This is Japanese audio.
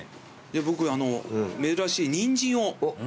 僕あのう珍しいニンジンを。